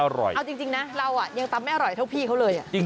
อร่อยเอาจริงนะเรายังตำไม่อร่อยเท่าพี่เขาเลย